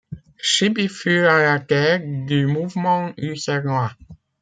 Schybi fut à la tête du mouvement lucernois.